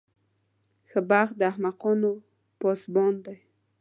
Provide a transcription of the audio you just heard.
ښه بخت د احمقانو پاسبان دی.